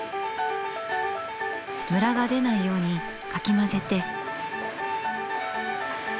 ムラが出ないようにかき混ぜて。